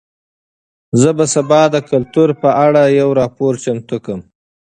زه به سبا د کلتور په اړه یو راپور چمتو کړم.